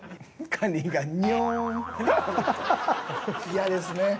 嫌ですね。